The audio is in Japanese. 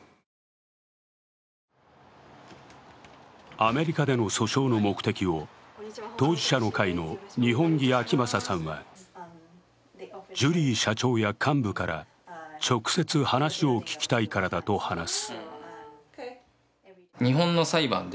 アメリカでの訴訟の目的を当事者の会の二本樹顕理さんはジュリー社長や幹部から直接話を聞きたいからだと話す。